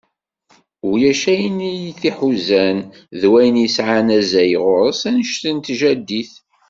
Ulac ayen t-iḥuzan d wayen yesεan azal γuṛ-s annect n tjaddit.